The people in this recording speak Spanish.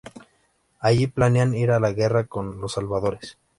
Allí planean ir a la guerra con los salvadores.